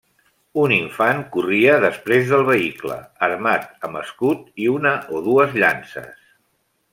Un infant corria després del vehicle, armat amb escut i una o dues llances.